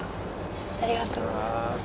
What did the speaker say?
ありがとうございます。